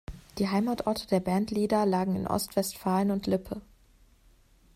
Die Heimatorte der Bandleader lagen in Ostwestfalen und Lippe.